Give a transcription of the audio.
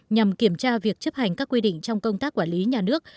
nhằm kiểm tra việc chấp hành các quy định trong công tác quản lý nhà nước